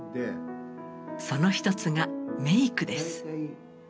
その一つがメイクです。